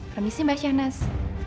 permisi mbak syahnas